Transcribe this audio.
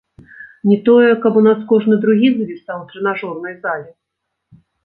Не тое, каб у нас кожны другі завісаў у трэнажорнай зале.